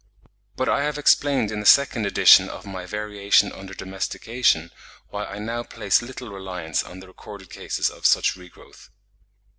But I have explained in the second edition of my Variation under Domestication why I now place little reliance on the recorded cases of such regrowth.